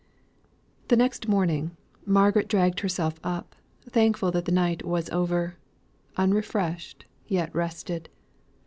The next morning, Margaret dragged herself up, thankful that the night was over, unrefreshed, yet rested.